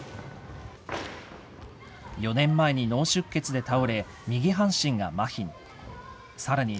４年前に脳出血で倒れ、右半身がまひに。